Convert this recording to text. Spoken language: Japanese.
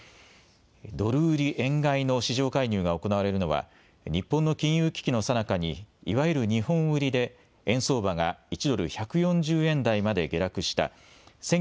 ドル売り円買いの市場介入が行われるのは日本の金融危機のさなかにいわゆる日本売りで円相場が１ドル１４０円台まで下落した